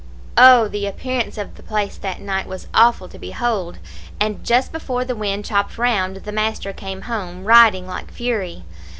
"Oh! the appearance of the place that night was awful to behold; and just before the wind chopped round the master came home, riding like fury.